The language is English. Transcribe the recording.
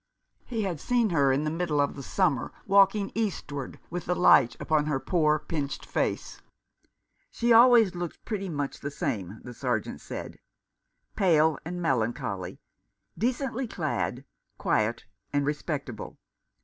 He had seen her in the middle of summer 248 The Boyhood of Oliver Greswold. walking eastward with the light upon her poor pinched face. She always looked pretty much the same, the Sergeant said ; pale and melancholy, decently clad, quiet and respectable.